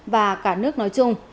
và cả nước nói chung